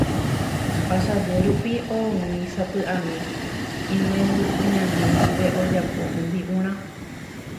Asaje rupi oúmi sapy'ami imembykuñami ndive ojapo hembi'urã